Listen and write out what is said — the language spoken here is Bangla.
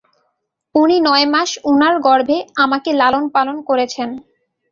উনি নয়মাস উনার গর্ভে আমাকে লালনপালন করেছে।